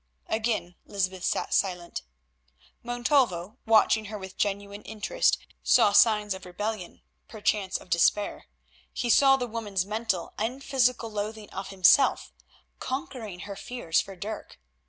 Again Lysbeth sat silent. Montalvo, watching her with genuine interest, saw signs of rebellion, perchance of despair. He saw the woman's mental and physical loathing of himself conquering her fears for Dirk.